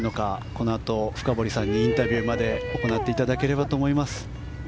このあと、深堀さんにインタビューまで行っていただければと思います。